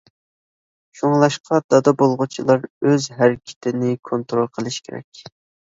شۇڭلاشقا، دادا بولغۇچىلار ئۆز ھەرىكىتىنى كونترول قىلىشى كېرەك.